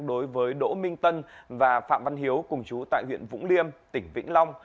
đối với đỗ minh tân và phạm văn hiếu cùng chú tại huyện vũng liêm tỉnh vĩnh long